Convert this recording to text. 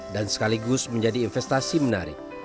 dan sekaligus menjadi investasi menarik